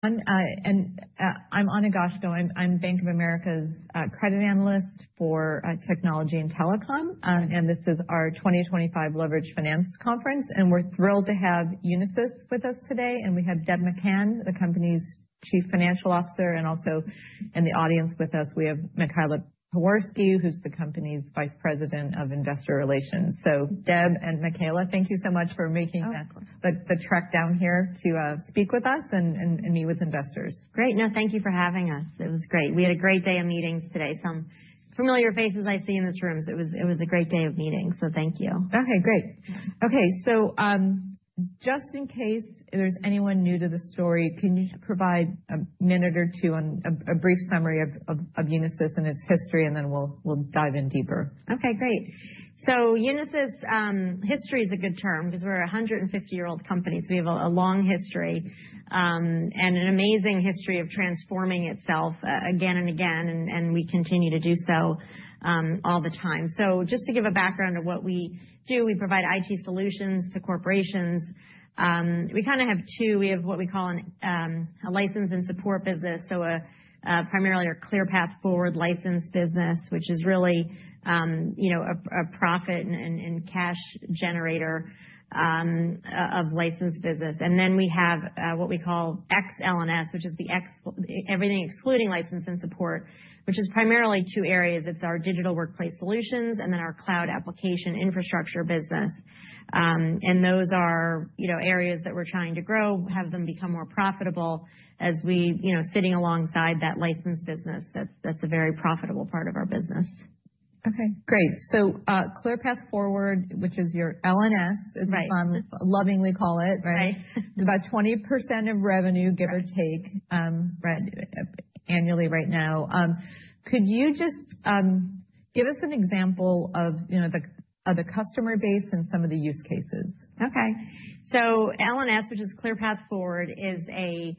I'm Ana Goshko. I'm Bank of America's credit analyst for technology and telecom, and this is our 2025 Leverage Finance Conference, and we're thrilled to have Unisys with us today, and we have Deb McCann, the company's Chief Financial Officer, and also in the audience with us, we have Michaela Pewarski, who's the company's Vice President of Investor Relations, so Deb and Michaela, thank you so much for making the trek down here to speak with us and meet with investors. Great. No, thank you for having us. It was great. We had a great day of meetings today. Some familiar faces I see in this room. It was a great day of meetings, so thank you. Okay, great. Okay, so just in case there's anyone new to the story, can you provide a minute or two on a brief summary of Unisys and its history, and then we'll dive in deeper? Okay, great. So Unisys history is a good term because we're a 150-year-old company. So we have a long history and an amazing history of transforming itself again and again, and we continue to do so all the time. So just to give a background of what we do, we provide IT solutions to corporations. We kind of have two. We have what we call a license and support business, so primarily a ClearPath Forward license business, which is really a profit and cash generator of license business. And then we have what we call ex-L&S, which is the Everything Excluding License and Support, which is primarily two areas. It's our Digital Workplace Solutions and then our Cloud, Applications and Infrastructure business. And those are areas that we're trying to grow, have them become more profitable as we're sitting alongside that license business. That's a very profitable part of our business. Okay, great. So ClearPath Forward, which is your L&S, as you lovingly call it, right? Right. It's about 20% of revenue, give or take, annually right now. Could you just give us an example of the customer base and some of the use cases? Okay. So L&S, which is ClearPath Forward, is an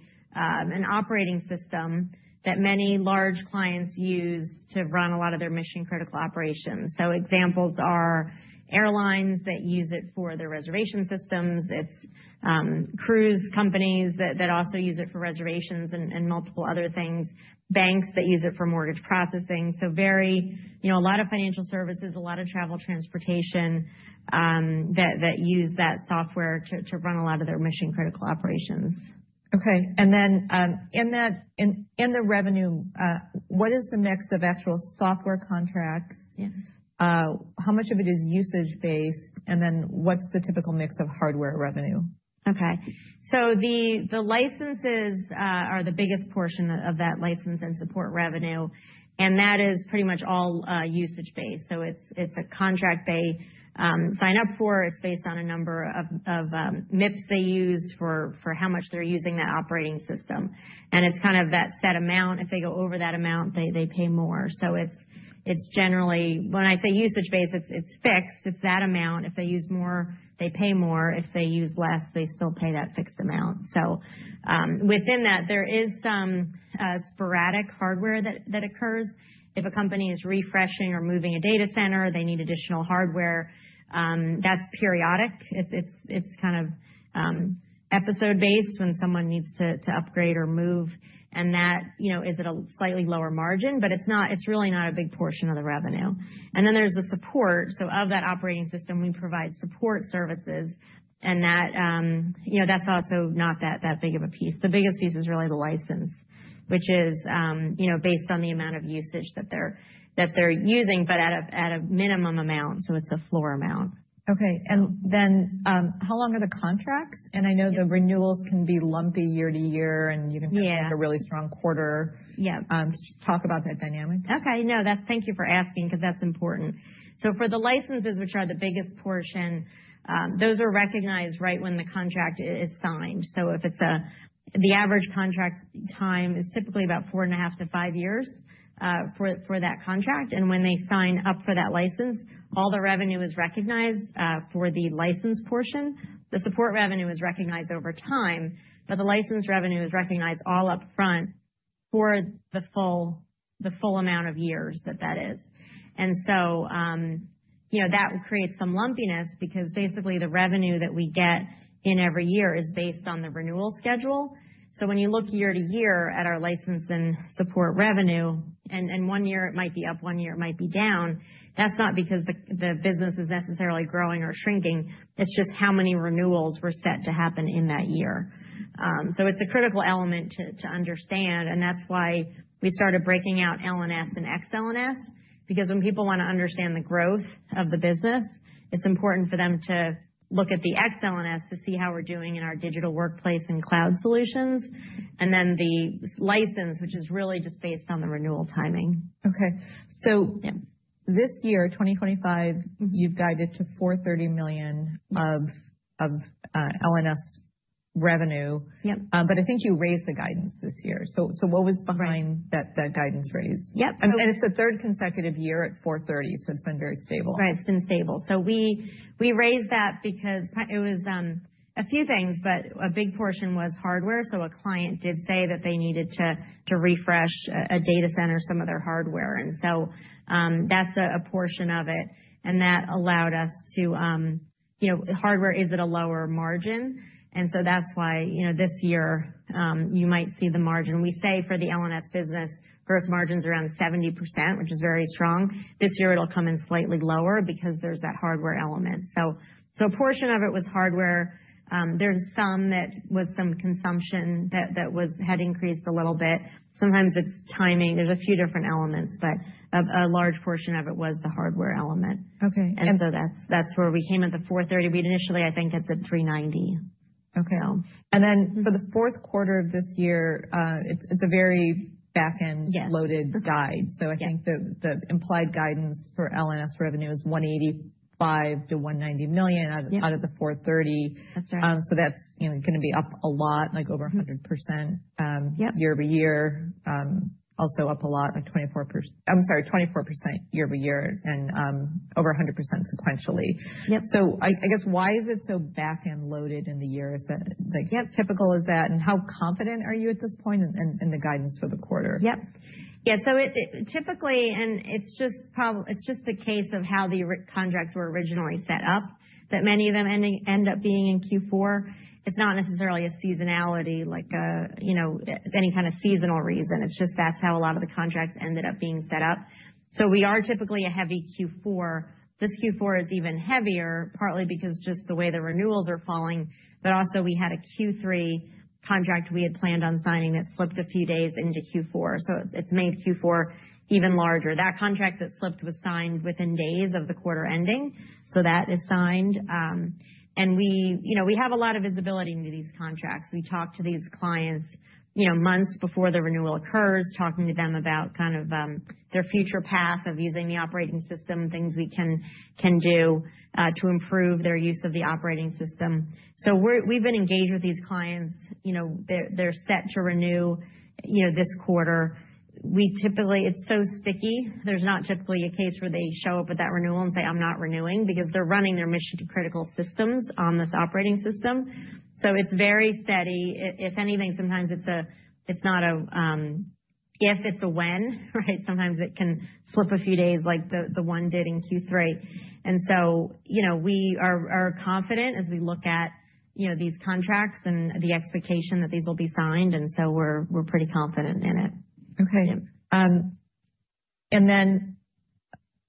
operating system that many large clients use to run a lot of their mission-critical operations. So examples are airlines that use it for their reservation systems. It's cruise companies that also use it for reservations and multiple other things. Banks that use it for mortgage processing. So a lot of financial services, a lot of travel, transportation that use that software to run a lot of their mission-critical operations. Okay. And then in the revenue, what is the mix of actual software contracts? How much of it is usage-based? And then what's the typical mix of hardware revenue? Okay, so the licenses are the biggest portion of that license and support revenue, and that is pretty much all usage-based. So it's a contract they sign up for. It's based on a number of MIPS they use for how much they're using that operating system. And it's kind of that set amount. If they go over that amount, they pay more. So it's generally, when I say usage-based, it's fixed. It's that amount. If they use more, they pay more. If they use less, they still pay that fixed amount. So within that, there is some sporadic hardware that occurs. If a company is refreshing or moving a data center, they need additional hardware. That's periodic. It's kind of episode-based when someone needs to upgrade or move, and that is at a slightly lower margin, but it's really not a big portion of the revenue. And then there's the support. So of that operating system, we provide support services, and that's also not that big of a piece. The biggest piece is really the license, which is based on the amount of usage that they're using, but at a minimum amount. So it's a floor amount. Okay. And then how long are the contracts? And I know the renewals can be lumpy year-to-year, and you can have a really strong quarter. Just talk about that dynamic. Okay. No, thank you for asking because that's important. So for the licenses, which are the biggest portion, those are recognized right when the contract is signed. So if it's a, the average contract time is typically about four and a half to five years for that contract. And when they sign up for that license, all the revenue is recognized for the license portion. The support revenue is recognized over time, but the license revenue is recognized all upfront for the full amount of years that that is. And so that creates some lumpiness because basically the revenue that we get in every year is based on the renewal schedule. So when you look year-to-year at our license and support revenue, and one year it might be up, one year it might be down, that's not because the business is necessarily growing or shrinking. It's just how many renewals were set to happen in that year, so it's a critical element to understand, and that's why we started breaking out L&S and ex-L&S, because when people want to understand the growth of the business, it's important for them to look at the ex-L&S to see how we're doing in our digital workplace and cloud solutions, and then the license, which is really just based on the renewal timing. Okay. So this year, 2025, you've guided to $430 million of L&S revenue, but I think you raised the guidance this year. So what was behind that guidance raise? Yep. It's the third consecutive year at $430 million, so it's been very stable. Right. It's been stable. So we raised that because it was a few things, but a big portion was hardware. So a client did say that they needed to refresh a data center, some of their hardware. And so that's a portion of it. And that allowed us to, hardware is at a lower margin. And so that's why this year you might see the margin. We say for the L&S business, gross margin's around 70%, which is very strong. This year it'll come in slightly lower because there's that hardware element. So a portion of it was hardware. There's some that was some consumption that had increased a little bit. Sometimes it's timing. There's a few different elements, but a large portion of it was the hardware element. And so that's where we came at the $430 million. We initially, I think, it's at $390 million. Okay. And then for the fourth quarter of this year, it's a very back-end loaded guide. So I think the implied guidance for L&S revenue is $185 million-$190 million out of the $430 million. So that's going to be up a lot, like over 100% year-over-year. Also up a lot, like 24%. I'm sorry, 24% year-over-year and over 100% sequentially. So I guess why is it so back-end loaded in the year? Typical is that? And how confident are you at this point in the guidance for the quarter? Yep. Yeah. So typically, and it's just a case of how the contracts were originally set up, that many of them end up being in Q4. It's not necessarily a seasonality, like any kind of seasonal reason. It's just that's how a lot of the contracts ended up being set up. So we are typically a heavy Q4. This Q4 is even heavier, partly because just the way the renewals are falling, but also we had a Q3 contract we had planned on signing that slipped a few days into Q4. So it's made Q4 even larger. That contract that slipped was signed within days of the quarter ending. So that is signed. And we have a lot of visibility into these contracts. We talk to these clients months before the renewal occurs, talking to them about kind of their future path of using the operating system, things we can do to improve their use of the operating system. So we've been engaged with these clients. They're set to renew this quarter. It's so sticky. There's not typically a case where they show up with that renewal and say, "I'm not renewing," because they're running their mission-critical systems on this operating system. So it's very steady. If anything, sometimes it's not an if, it's a when, right? Sometimes it can slip a few days like the one did in Q3. And so we are confident as we look at these contracts and the expectation that these will be signed. And so we're pretty confident in it. Okay. And then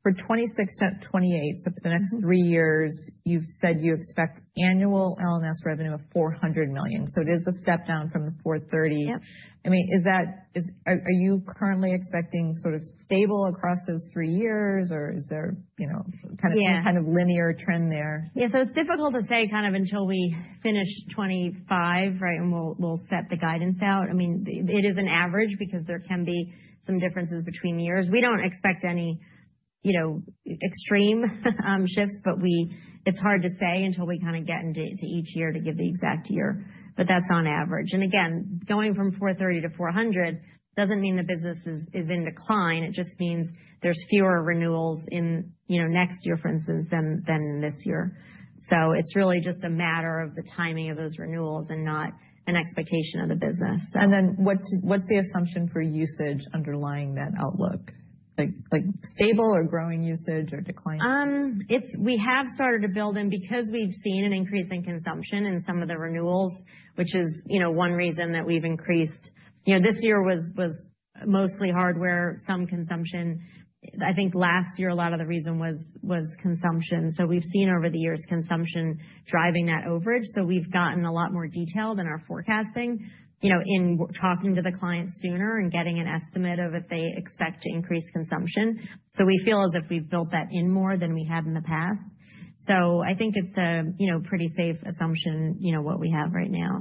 for 2026-2028, so for the next three years, you've said you expect annual L&S revenue of $400 million. So it is a step down from the $430 million. I mean, are you currently expecting sort of stable across those three years, or is there kind of a linear trend there? Yeah. So it's difficult to say kind of until we finish 2025, right, and we'll set the guidance out. I mean, it is an average because there can be some differences between years. We don't expect any extreme shifts, but it's hard to say until we kind of get into each year to give the exact year. But that's on average. And again, going from $430 million to $400 million doesn't mean the business is in decline. It just means there's fewer renewals in next year, for instance, than this year. So it's really just a matter of the timing of those renewals and not an expectation of the business. And then what's the assumption for usage underlying that outlook? Stable or growing usage or decline? We have started to build in because we've seen an increase in consumption in some of the renewals, which is one reason that we've increased. This year was mostly hardware, some consumption. I think last year a lot of the reason was consumption. So we've seen over the years consumption driving that overage. So we've gotten a lot more detail than our forecasting in talking to the client sooner and getting an estimate of if they expect to increase consumption. So we feel as if we've built that in more than we had in the past. So I think it's a pretty safe assumption what we have right now,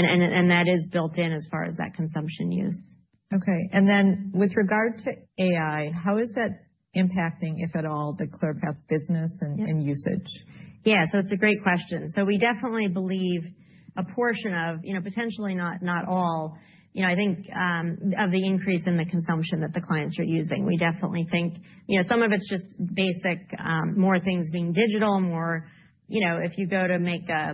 and that is built in as far as that consumption use. Okay. And then with regard to AI, how is that impacting, if at all, the ClearPath business and usage? Yeah. So it's a great question. So we definitely believe a portion of, potentially not all, I think, of the increase in the consumption that the clients are using. We definitely think some of it's just basic, more things being digital, more if you go to make a,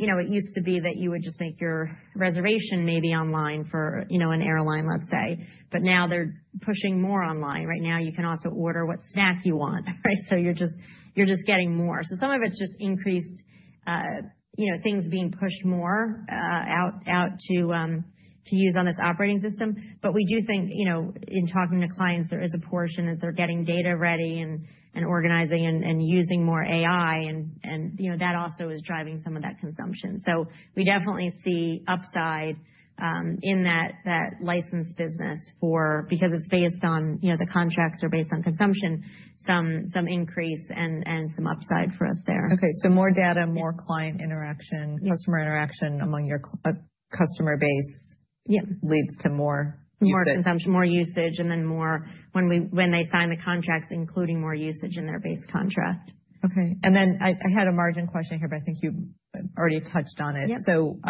it used to be that you would just make your reservation maybe online for an airline, let's say, but now they're pushing more online. Right now, you can also order what snack you want, right? So you're just getting more. So some of it's just increased things being pushed more out to use on this operating system. But we do think in talking to clients, there is a portion as they're getting data ready and organizing and using more AI, and that also is driving some of that consumption. We definitely see upside in that license business because the contracts are based on consumption, some increase and some upside for us there. Okay, so more data, more client interaction, customer interaction among your customer base leads to more usage. More consumption, more usage, and then more when they sign the contracts, including more usage in their base contract. Okay. And then I had a margin question here, but I think you already touched on it. So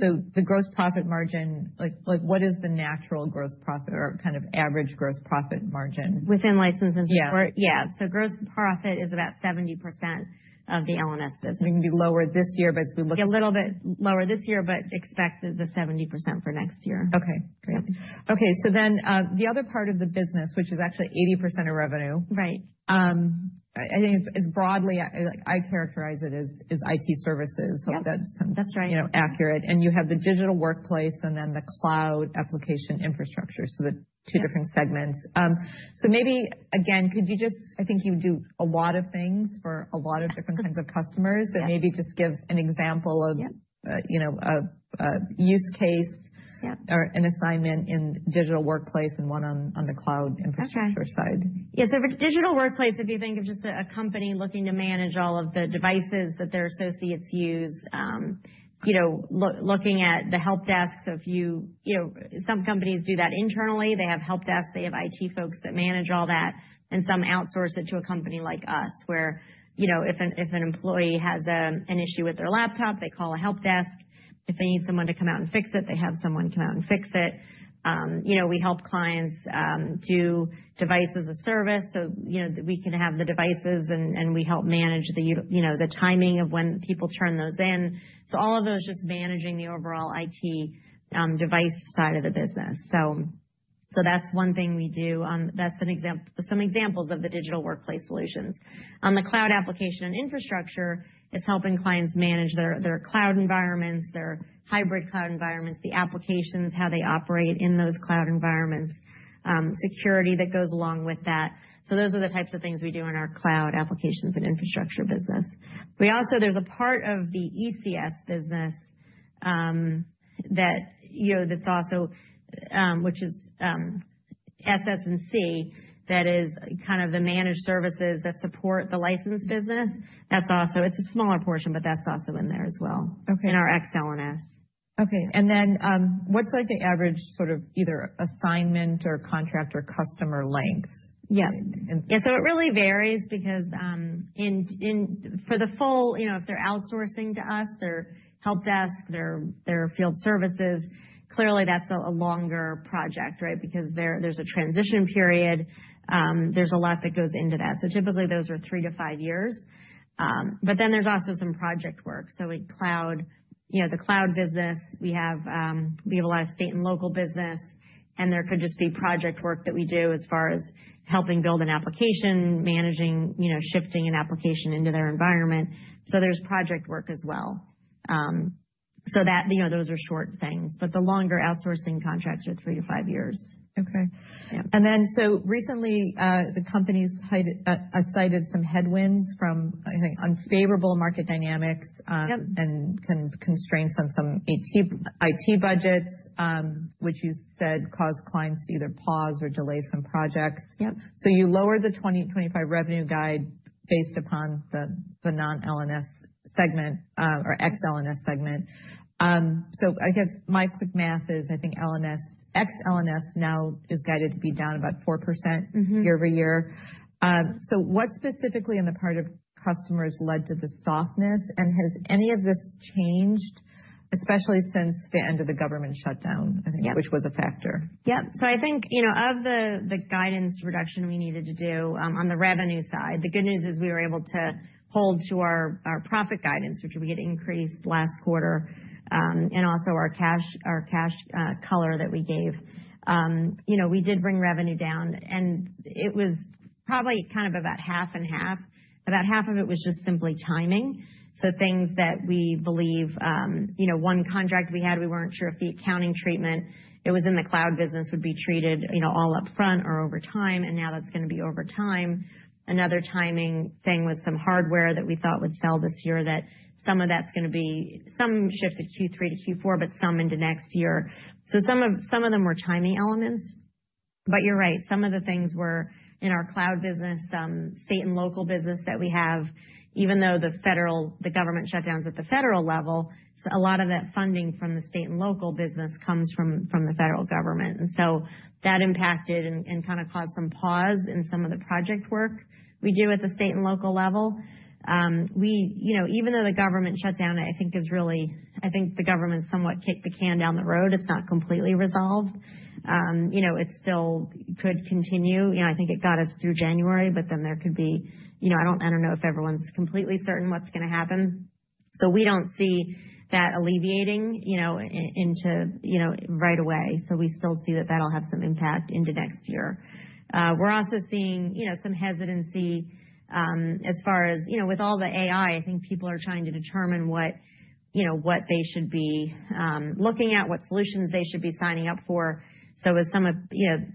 the gross profit margin, what is the natural gross profit or kind of average gross profit margin? Within License and Support? Yeah. Yeah. So gross profit is about 70% of the L&S business. It can be lower this year, but it's been. A little bit lower this year, but expect the 70% for next year. Okay. Great. Okay. So then the other part of the business, which is actually 80% of revenue, I think it's broadly, I characterize it as IT services. Hope that's accurate. And you have the digital workplace and then the cloud application infrastructure. So the two different segments. So maybe, again, could you just, I think you do a lot of things for a lot of different kinds of customers, but maybe just give an example of a use case or an assignment in digital workplace and one on the cloud infrastructure side. Yeah. So for Digital Workplace, if you think of just a company looking to manage all of the devices that their associates use, looking at the help desk. So some companies do that internally, they have help desk. They have IT folks that manage all that, and some outsource it to a company like us, where if an employee has an issue with their laptop, they call a help desk. If they need someone to come out and fix it, they have someone come out and fix it. We help clients do Device-as-a-Service. So we can have the devices, and we help manage the timing of when people turn those in. So all of those just managing the overall IT device side of the business. So that's one thing we do. That's some examples of the Digital Workplace Solutions. On the Cloud Applications and Infrastructure, it's helping clients manage their cloud environments, their Hybrid Cloud environments, the applications, how they operate in those cloud environments, security that goes along with that. So those are the types of things we do in our Cloud Applications and Infrastructure business. There's a part of the ECS business that's also, which is SS&C, that is kind of the managed services that support the license business. It's a smaller portion, but that's also in there as well in our ex-L&S. Okay. And then what's the average sort of either assignment or contract or customer length? Yeah. Yeah. So it really varies because for the full, if they're outsourcing to us, their help desk, their field services, clearly that's a longer project, right? Because there's a transition period. There's a lot that goes into that. So typically those are three to five years. But then there's also some project work. So in cloud, the cloud business, we have a lot of state and local business, and there could just be project work that we do as far as helping build an application, managing, shifting an application into their environment. So there's project work as well. So those are short things. But the longer outsourcing contracts are three to five years. Okay. And then so recently, the company has cited some headwinds from, I think, unfavorable market dynamics and constraints on some IT budgets, which you said caused clients to either pause or delay some projects. So you lowered the 2025 revenue guide based upon the non-L&S segment or ex-L&S segment. So I guess my quick math is I think ex-L&S now is guided to be down about 4% year-over-year. So what specifically in the part of customers led to the softness? And has any of this changed, especially since the end of the government shutdown, I think, which was a factor? Yep. So I think of the guidance reduction we needed to do on the revenue side, the good news is we were able to hold to our profit guidance, which we had increased last quarter, and also our cash color that we gave. We did bring revenue down, and it was probably kind of about half and half. About half of it was just simply timing. So things that we believe one contract we had, we weren't sure if the accounting treatment, it was in the cloud business, would be treated all upfront or over time, and now that's going to be over time. Another timing thing was some hardware that we thought would sell this year that some of that's going to be some shifted Q3-Q4, but some into next year. So some of them were timing elements. But you're right. Some of the things were in our cloud business, state and local business that we have, even though the government shutdowns at the federal level, a lot of that funding from the state and local business comes from the federal government, and so that impacted and kind of caused some pause in some of the project work we do at the state and local level. Even though the government shutdown, I think, is really the government somewhat kicked the can down the road. It's not completely resolved. It still could continue. I think it got us through January, but then there could be, I don't know, if everyone's completely certain what's going to happen. So we don't see that alleviating into right away, so we still see that that'll have some impact into next year. We're also seeing some hesitancy as far as with all the AI. I think people are trying to determine what they should be looking at, what solutions they should be signing up for. So as some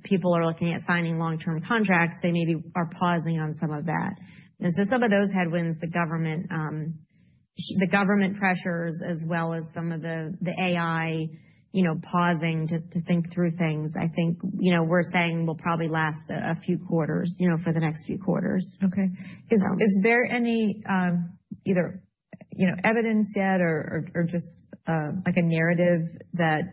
people are looking at signing long-term contracts, they maybe are pausing on some of that. And so some of those headwinds, the government pressures, as well as some of the AI pausing to think through things, I think we're seeing will probably last a few quarters for the next few quarters. Okay. Is there any evidence yet or just a narrative that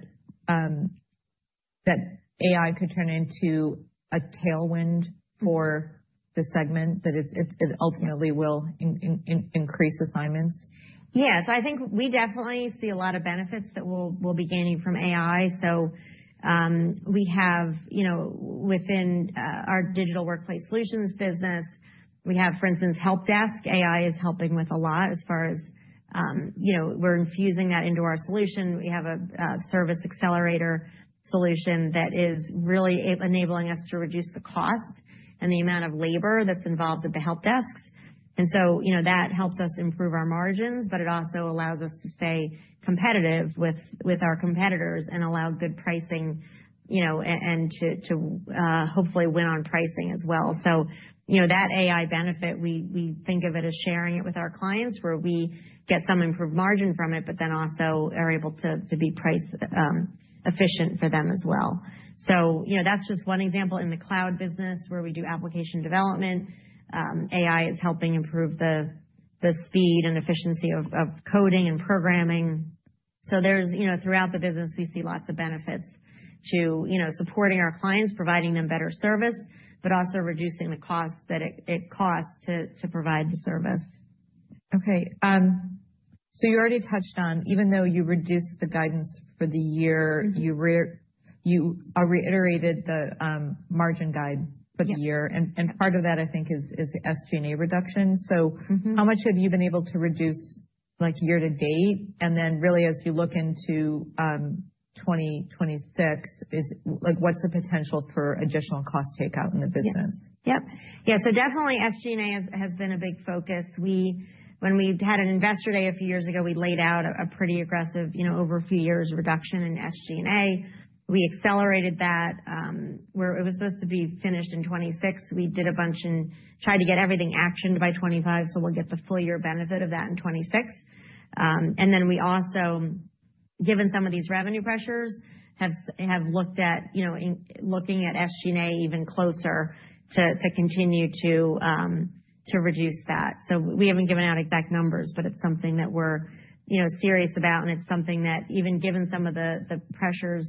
AI could turn into a tailwind for the segment that it ultimately will increase assignments? Yeah. So I think we definitely see a lot of benefits that we'll be gaining from AI. So we have within our digital workplace solutions business, we have, for instance, help desk. AI is helping with a lot as far as we're infusing that into our solution. We have a service accelerator solution that is really enabling us to reduce the cost and the amount of labor that's involved at the help desks. And so that helps us improve our margins, but it also allows us to stay competitive with our competitors and allow good pricing and to hopefully win on pricing as well. So that AI benefit, we think of it as sharing it with our clients where we get some improved margin from it, but then also are able to be price-efficient for them as well. So that's just one example in the cloud business where we do application development. AI is helping improve the speed and efficiency of coding and programming. So throughout the business, we see lots of benefits to supporting our clients, providing them better service, but also reducing the cost that it costs to provide the service. Okay. So you already touched on, even though you reduced the guidance for the year, you reiterated the margin guide for the year. And part of that, I think, is the SG&A reduction. So how much have you been able to reduce year to date? And then really, as you look into 2026, what's the potential for additional cost takeout in the business? Yeah. So definitely SG&A has been a big focus. When we had an investor day a few years ago, we laid out a pretty aggressive, over a few years, reduction in SG&A. We accelerated that. It was supposed to be finished in 2026. We did a bunch and tried to get everything actioned by 2025, so we'll get the full year benefit of that in 2026. And then we also, given some of these revenue pressures, have looked at SG&A even closer to continue to reduce that. So we haven't given out exact numbers, but it's something that we're serious about, and it's something that, even given some of the pressures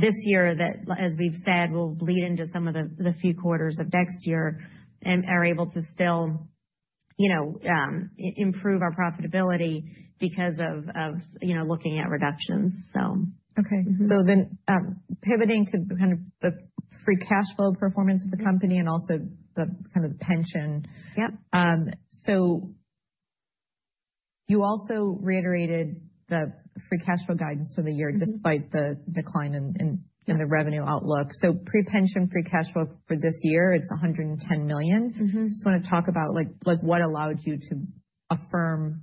this year that, as we've said, will bleed into some of the few quarters of next year, are able to still improve our profitability because of looking at reductions, so. Okay. So then, pivoting to kind of the free cash flow performance of the company and also the kind of pension. So you also reiterated the free cash flow guidance for the year despite the decline in the revenue outlook. So pre-pension free cash flow for this year, it's $110 million. I just want to talk about what allowed you to affirm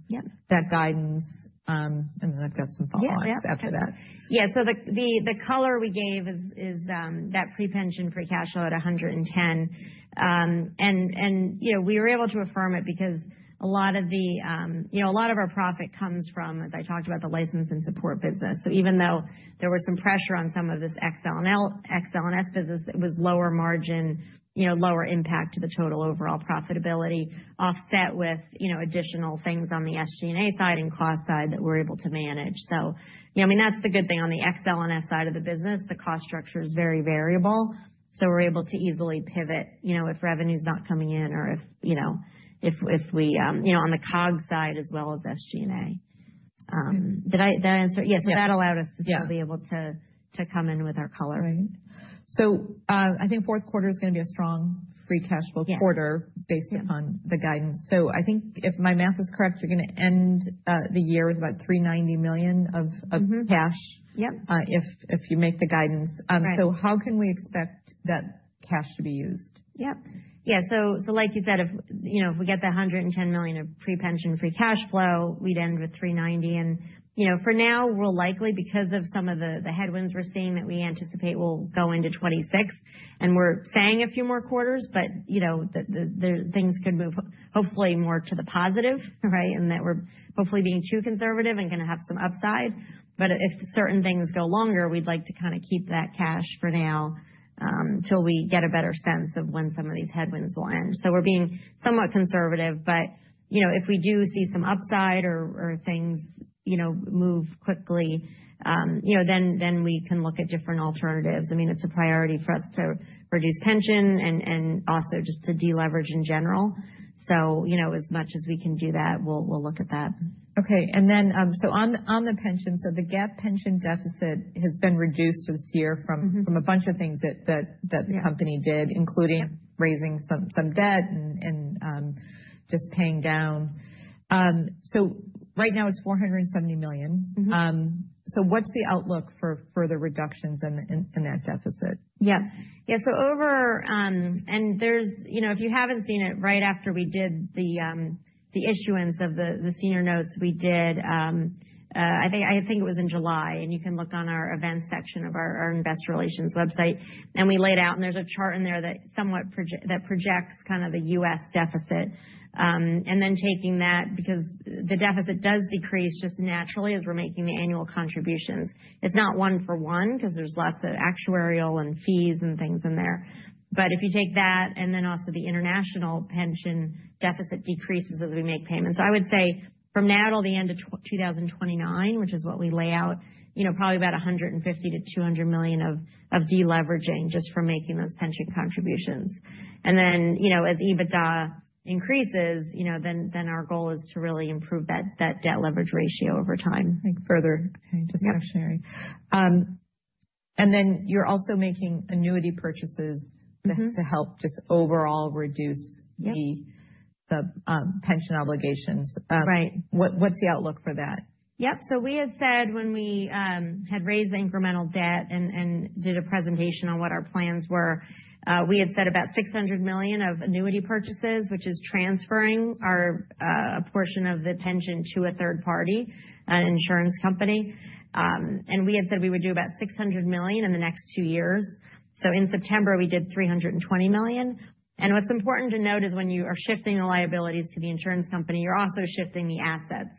that guidance. And then I've got some follow-ups after that. Yeah. Yeah. So the color we gave is that pre-pension free cash flow at $110 million. And we were able to affirm it because a lot of our profit comes from, as I talked about, the license and support business. So even though there was some pressure on some of this ex-L&S business that was lower margin, lower impact to the total overall profitability, offset with additional things on the SG&A side and cost side that we're able to manage. So I mean, that's the good thing on the ex-L&S side of the business. The cost structure is very variable. So we're able to easily pivot if revenue's not coming in or if we on the COGS side as well as SG&A. Did I answer? Yes. Yeah, so that allowed us to still be able to come in with our color. Right. So I think fourth quarter is going to be a strong free cash flow quarter based upon the guidance. So I think if my math is correct, you're going to end the year with about $390 million of cash if you make the guidance. So how can we expect that cash to be used? Yep. Yeah. So like you said, if we get the $110 million of pre-pension free cash flow, we'd end with $390 million. And for now, we'll likely, because of some of the headwinds we're seeing that we anticipate, we'll go into 2026. And we're saying a few more quarters, but things could move hopefully more to the positive, right, and that we're hopefully being too conservative and going to have some upside. But if certain things go longer, we'd like to kind of keep that cash for now until we get a better sense of when some of these headwinds will end. So we're being somewhat conservative, but if we do see some upside or things move quickly, then we can look at different alternatives. I mean, it's a priority for us to reduce pension and also just to deleverage in general. So as much as we can do that, we'll look at that. Okay. And then so on the pension, so the gap pension deficit has been reduced this year from a bunch of things that the company did, including raising some debt and just paying down. So right now, it's $470 million. So what's the outlook for further reductions in that deficit? Yep. Yeah. And if you haven't seen it, right after we did the issuance of the senior notes, we did, I think it was in July, and you can look on our events section of our investor relations website. And we laid out, and there's a chart in there that projects kind of the U.S. deficit. And then taking that, because the deficit does decrease just naturally as we're making the annual contributions. It's not one for one because there's lots of actuarial and fees and things in there. But if you take that and then also the international pension deficit decreases as we make payments. So I would say from now till the end of 2029, which is what we lay out, probably about $150 million-$200 million of deleveraging just for making those pension contributions. And then as EBITDA increases, then our goal is to really improve that debt leverage ratio over time. And then you're also making annuity purchases to help just overall reduce the pension obligations. What's the outlook for that? Yep. So we had said when we had raised incremental debt and did a presentation on what our plans were, we had said about $600 million of annuity purchases, which is transferring a portion of the pension to a third party, an insurance company. And we had said we would do about $600 million in the next two years. So in September, we did $320 million. And what's important to note is when you are shifting the liabilities to the insurance company, you're also shifting the assets.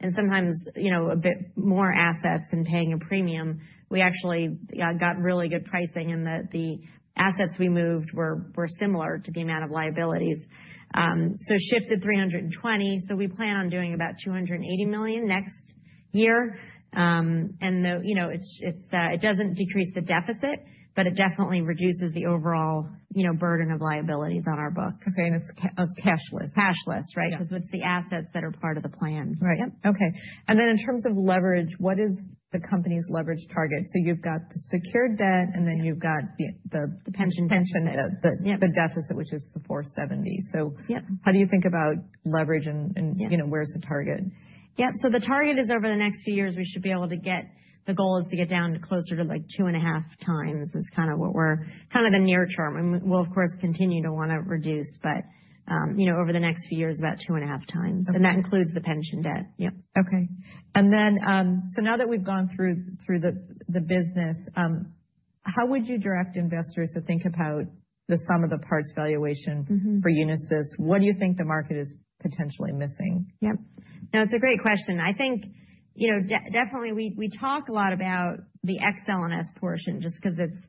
And sometimes a bit more assets than paying a premium. We actually got really good pricing and the assets we moved were similar to the amount of liabilities. So shifted $320 million. So we plan on doing about $280 million next year. And it doesn't decrease the deficit, but it definitely reduces the overall burden of liabilities on our books. Okay, and it's cashless. Cashless, right? Because it's the assets that are part of the plan. Right. Okay. And then in terms of leverage, what is the company's leverage target? So you've got the secured debt and then you've got the. The pension. Pension, the deficit, which is the $470 million. So how do you think about leverage and where's the target? Yep. So the target is over the next few years, we should be able to get the goal is to get down closer to like two and a half times is kind of what we're the near term. And we'll, of course, continue to want to reduce, but over the next few years, about two and a half times. And that includes the pension debt. Yep. Okay. And then so now that we've gone through the business, how would you direct investors to think about the sum of the parts valuation for Unisys? What do you think the market is potentially missing? Yep. No, it's a great question. I think definitely we talk a lot about the ex-L&S portion just because it's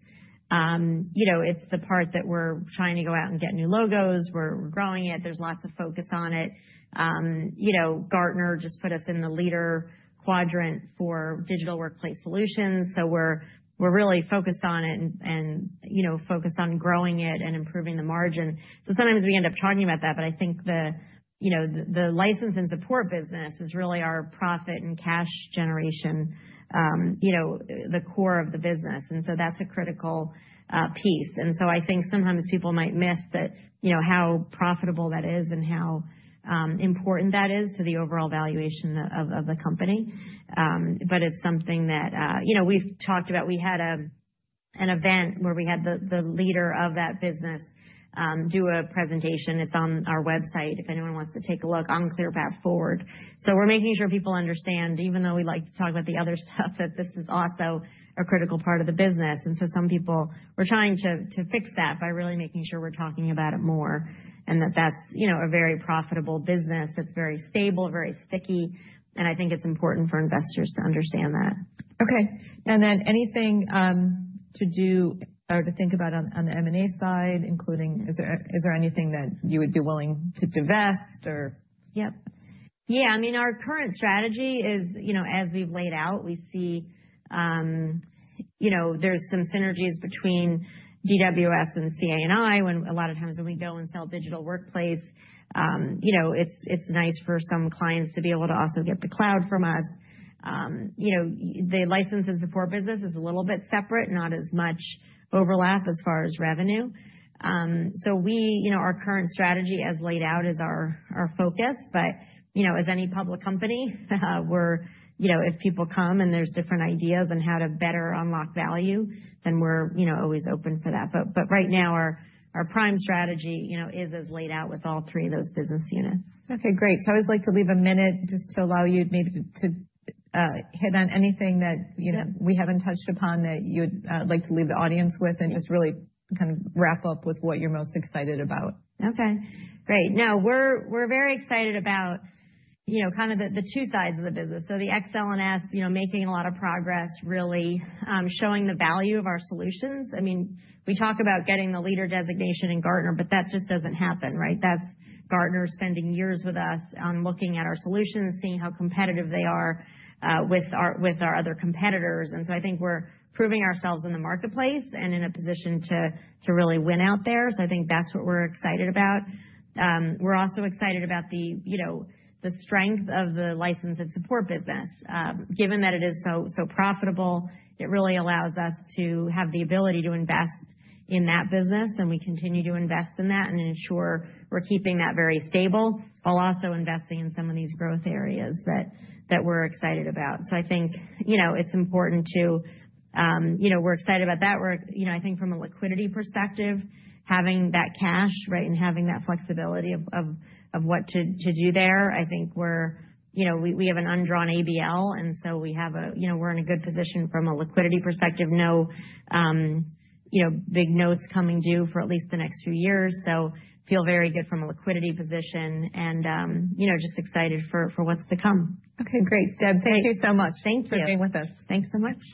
the part that we're trying to go out and get new logos. We're growing it. There's lots of focus on it. Gartner just put us in the leader quadrant for Digital Workplace Solutions. So we're really focused on it and focused on growing it and improving the margin. So sometimes we end up talking about that, but I think the license and support business is really our profit and cash generation, the core of the business. And so that's a critical piece. And so I think sometimes people might miss how profitable that is and how important that is to the overall valuation of the company. But it's something that we've talked about. We had an event where we had the leader of that business do a presentation. It's on our website if anyone wants to take a look on ClearPath Forward. So we're making sure people understand, even though we like to talk about the other stuff, that this is also a critical part of the business. And so some people, we're trying to fix that by really making sure we're talking about it more and that that's a very profitable business that's very stable, very sticky. And I think it's important for investors to understand that. Okay, and then anything to do or to think about on the M&A side, including is there anything that you would be willing to divest or? Yeah. I mean, our current strategy is, as we've laid out, we see there's some synergies between DWS and CA&I when a lot of times when we go and sell digital workplace, it's nice for some clients to be able to also get the cloud from us. The license and support business is a little bit separate, not as much overlap as far as revenue. So our current strategy, as laid out, is our focus. But as any public company, if people come and there's different ideas on how to better unlock value, then we're always open for that. But right now, our prime strategy is as laid out with all three of those business units. Okay. Great. So I always like to leave a minute just to allow you maybe to hit on anything that we haven't touched upon that you'd like to leave the audience with and just really kind of wrap up with what you're most excited about. Okay. Great. No, we're very excited about kind of the two sides of the business. So the ex-L&S making a lot of progress, really showing the value of our solutions. I mean, we talk about getting the leader designation in Gartner, but that just doesn't happen, right? That's Gartner spending years with us on looking at our solutions, seeing how competitive they are with our other competitors. And so I think we're proving ourselves in the marketplace and in a position to really win out there. So I think that's what we're excited about. We're also excited about the strength of the license and support business. Given that it is so profitable, it really allows us to have the ability to invest in that business, and we continue to invest in that and ensure we're keeping that very stable while also investing in some of these growth areas that we're excited about. So I think it's important that we're excited about that. I think from a liquidity perspective, having that cash, right, and having that flexibility of what to do there, I think we have an undrawn ABL, and so we're in a good position from a liquidity perspective. No big notes coming due for at least the next few years. So we feel very good from a liquidity position and just excited for what's to come. Okay. Great. Deb, thank you so much for being with us. Thank you. Thanks so much.